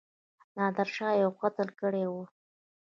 نادرشاه یو قتل کړی وو.